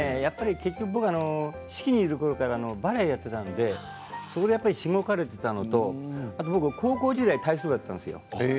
四季にいるころからバレエをやっていたのでしごかれていたので高校時代、体操部だったんですよ。